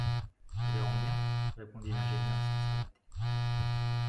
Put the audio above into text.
Nous verrons bien, » répondit l’ingénieur sans s’arrêter